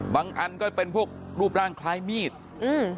อันก็เป็นพวกรูปร่างคล้ายมีดอืม